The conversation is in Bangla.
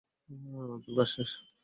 তোর কাজ শেষ।